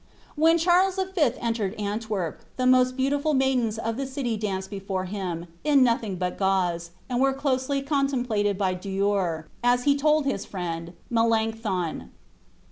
When Charles the Fifth entered Antwerp, the most beautiful maidens of the city danced before him, in nothing but gauze, and were closely contemplated by Dürer, as he told his friend, Melancthon.